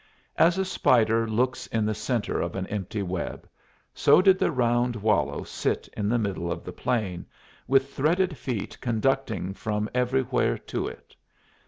As a spider looks in the centre of an empty web, so did the round wallow sit in the middle of the plain, with threaded feet conducting from everywhere to it.